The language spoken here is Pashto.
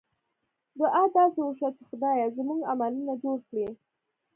دعا داسې وشوه چې خدایه! زموږ عملونه جوړ کړې.